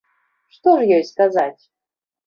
Што ж ёй сказаць?